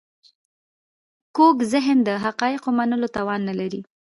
کوږ ذهن د حقایقو منلو توان نه لري